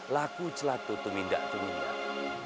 laku celatu tumindak tumindak